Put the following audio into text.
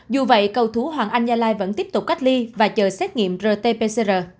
dù vậy cầu thú hoàng anh gia lai vẫn tiếp tục cách ly và chờ xét nghiệm rt pcr